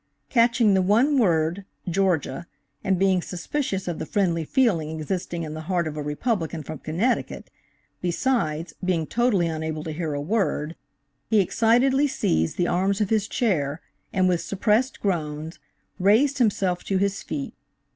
Catching the one word, "Georgia," and being suspicious of the friendly feeling existing in the heart of a Republican from Connecticut, besides, being totally unable to hear a word, he excitedly seized the arms of his chair, and with suppressed groans, raised himself to his feet.